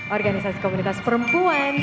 organisasi komunitas perempuan